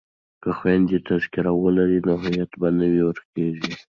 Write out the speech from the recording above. که خویندې تذکره ولري نو هویت به نه ورکيږي.